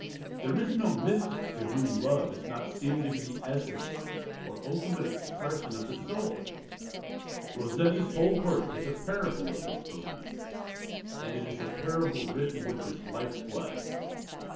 There is no mystic to whom love has not seemed to be the essence or ultimate expression of the soul. Rossetti's whole work is a parable of this belief, and it is a parable written with his life blood.